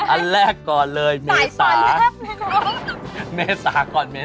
อันแรกก่อนเลยเมษาเมษาก่อน